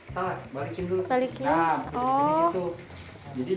salah balikin dulu